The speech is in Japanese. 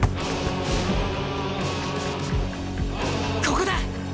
ここだ！